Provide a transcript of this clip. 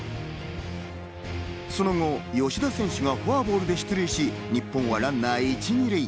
その後、吉田選手がフォアボールで出塁し、日本はランナー、１・２塁。